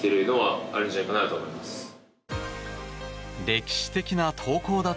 歴史的な投高打